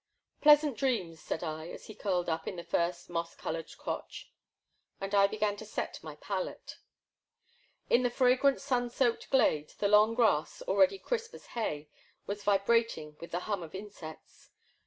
Pleasant dreams, said I, as he curled up in the first moss covered crotch; and I began to set my palette. In the fragrant sun soaked glade the long grass, already crisp as hay, was vibrating with the hum of insects.